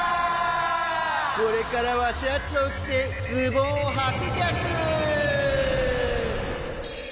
これからはシャツをきてズボンをはくギャク！